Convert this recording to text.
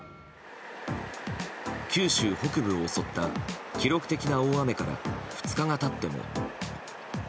九州北部を襲った記録的な大雨から２日が経っても。